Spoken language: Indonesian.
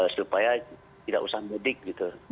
supaya tidak usah mudik gitu